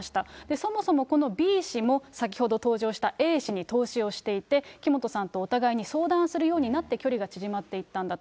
そもそもこのＢ氏も先ほど登場したＡ氏に投資をしていて、木本さんとお互いに相談するようになって距離が縮まっていったんだと。